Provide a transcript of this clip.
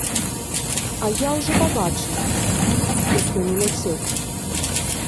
А я ўжо пабачыла, як ён уляцеў.